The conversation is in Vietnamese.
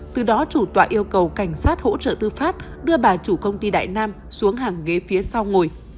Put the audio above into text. từ đó chủ tọa yêu cầu cảnh sát hỗ trợ tư pháp đưa bà chủ công ty đại nam xuống hàng ghế phía sau ngồi